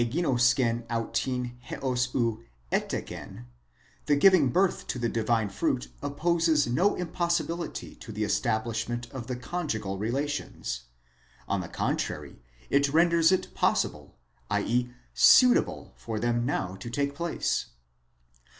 d. ἕως οὗ ἔτεκεν, the giving birth to the divine fruit opposes no impossibility to the establishment of the conjugal relations ; on the contrary it renders it possible, ze. suitable 15 for them now to take place.